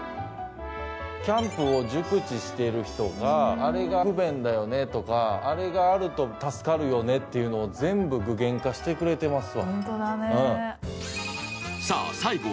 キャンプを熟知している人があれが不便だよねとか、あれがあると助かるよねというのを全部具現化してくれてますわ。